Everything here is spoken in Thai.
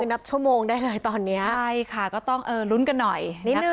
นับชั่วโมงได้เลยตอนนี้ใช่ค่ะก็ต้องเออลุ้นกันหน่อยนะคะ